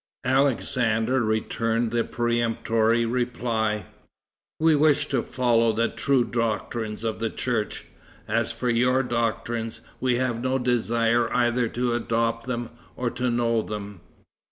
Alexander returned the peremptory reply, "We wish to follow the true doctrines of the church. As for your doctrines, we have no desire either to adopt them or to know them."